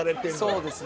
そうですね。